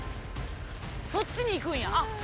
そっちに行くんや。